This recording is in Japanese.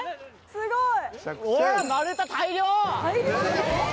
すごい！